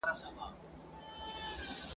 خرابات یودم خا موشه